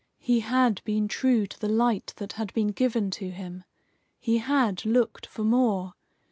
He had been true to the light that had been given to him. He had looked for more.